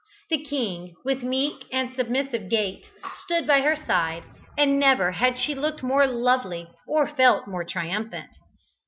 The king, with meek and submissive gait, stood by her side, and never had she looked more lovely or felt more triumphant.